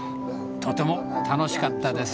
とても楽しかったです。